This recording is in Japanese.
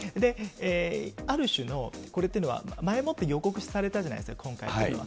ある種の、これっていうのは前もって予告されたじゃないですか、今回っていうのは。